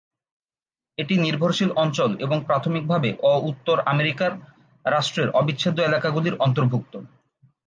এটি নির্ভরশীল অঞ্চল এবং প্রাথমিকভাবে অ-উত্তর আমেরিকার রাষ্ট্রের অবিচ্ছেদ্য এলাকাগুলির অন্তর্ভুক্ত।